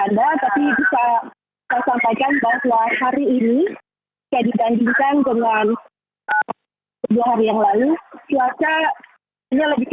anda tapi bisa saya sampaikan bahwa hari ini jadi bandingkan dengan sebuah hari yang lalu